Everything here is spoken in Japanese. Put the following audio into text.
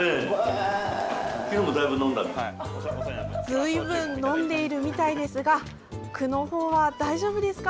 ずいぶん飲んでいるみたいですが句の方は大丈夫ですか？